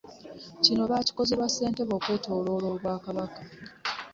Kino baakikoze ku lwa Ssentebe okwetoolola obwakabaka.